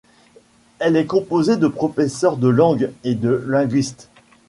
Elle est composée de professeurs de langue et de linguistes.